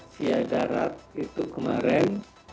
via darat itu kemarin